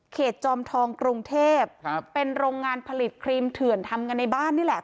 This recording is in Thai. จอมทองกรุงเทพครับเป็นโรงงานผลิตครีมเถื่อนทำกันในบ้านนี่แหละ